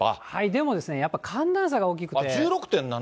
でもですね、やっぱり寒暖差が大きくて。